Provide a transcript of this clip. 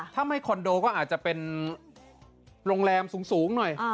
ถ้าไม่คอนโดก็อาจจะเป็นโรงแรมสูงหน่อย